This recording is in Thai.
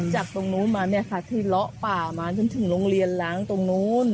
จากตรงนู้นมาเนี่ยค่ะที่เลาะป่ามาจนถึงโรงเรียนล้างตรงนู้น